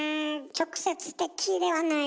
直接的ではない。